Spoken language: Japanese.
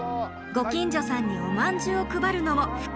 ご近所さんにおまんじゅうを配るのも福井スタイル。